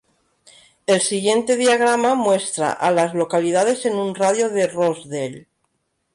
El siguiente diagrama muestra a las localidades en un radio de de Rosedale.